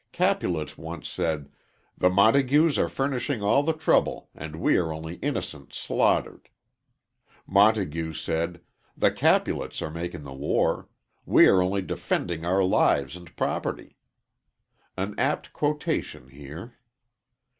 Capulet once said: "The Montagues are furnishing all the trouble and we are only innocents slaughtered." Montague said: "The Capulets are making the war. We are only defending our lives and property." An apt quotation, here.